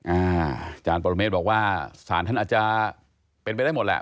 อาจารย์ปรเมฆบอกว่าศาลท่านอาจจะเป็นไปได้หมดแหละ